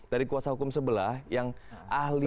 dari kuasa hukum sebelah yang ahli